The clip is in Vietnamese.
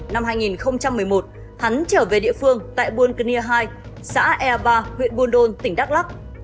năm hai nghìn một mươi một hắn trở về địa phương tại buôn cơ nia hai xã e ba huyện buôn đôn tỉnh đắk lắc